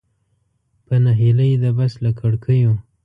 په نهیلۍ د بس له کړکیو.